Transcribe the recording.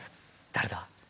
誰だ。